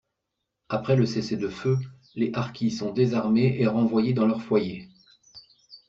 Après le cessez-le-feu, les harkis sont désarmés et renvoyés dans leurs foyers.